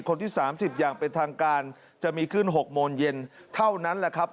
คนที่๓๐อย่างเป็นทางการจะมีขึ้น๖โมงเย็นเท่านั้นแหละครับ